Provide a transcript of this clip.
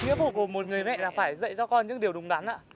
nghĩa vụ của một người mẹ là phải dạy cho con những điều đúng đắn ạ